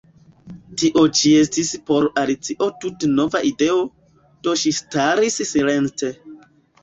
Tio ĉi estis por Alicio tute nova ideo; do ŝi staris silente.